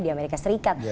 di amerika serikat